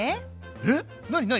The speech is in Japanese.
えっ？何何？